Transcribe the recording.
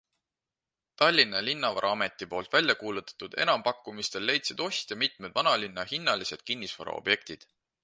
Tallinna Linnavaraameti poolt välja kuulutatud enampakkumistel leidsid ostja mitmed vanalinna hinnaslised kinnisvaraobjektid.